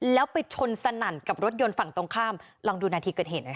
แล้วไปชนสนั่นกับรถยนต์ฝั่งตรงข้ามลองดูนาทีเกิดเหตุหน่อยค่ะ